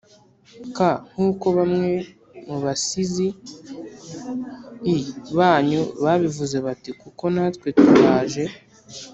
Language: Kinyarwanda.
k nk uko bamwe mu basizi l banyu babivuze bati kuko natwe turaje